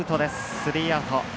スリーアウト。